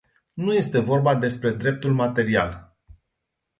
Nu este vorba despre dreptul material.